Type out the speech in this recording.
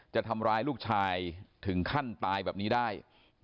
จะทำร้ายลูกชายถึงขั้นตายแบบนี้ได้